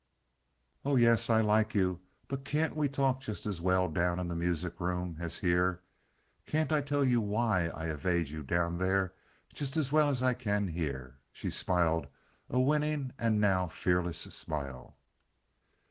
"Oh yes, I like you; but can't we talk just as well down in the music room as here? Can't I tell you why I evade you down there just as well as I can here?" She smiled a winning and now fearless smile.